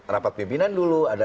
rapat pimpinan dulu ada